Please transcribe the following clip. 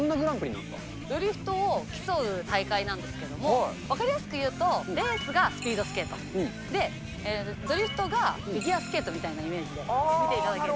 ドリフトを競う大会なんですけれども、分かりやすく言うと、レースがスピードスケート、ドリフトがフィギュアスケートみたいなイメージで見ていただけると。